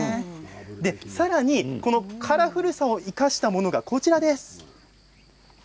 さらにこのカラフルさを生かしたものが、こちらです。